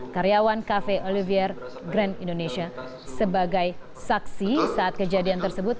karyawan cafe olivier grand indonesia sebagai saksi saat kejadian tersebut